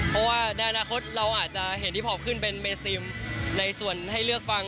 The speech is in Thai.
เพราะว่าในอนาคตเราอาจจะเห็นที่พอปขึ้นเป็นเมสติมในส่วนให้เลือกฟัง